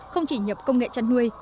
không chỉ nhập công nghệ chăn nuôi